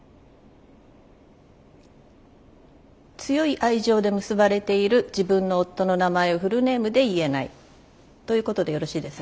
強い愛情で結ばれている自分の夫の名前をフルネームで言えないということでよろしいですね？